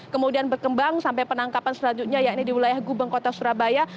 kemudian berkembang sampai penangkapan selanjutnya yakni di wilayah gubeng kota surabaya